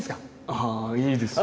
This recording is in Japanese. ああいいですよ